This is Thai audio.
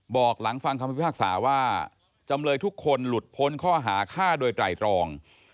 หลังฟังคำพิพากษาว่าจำเลยทุกคนหลุดพ้นข้อหาฆ่าโดยไตรรอง